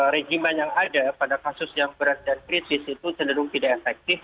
regimen yang ada pada kasus yang berat dan kritis itu cenderung tidak efektif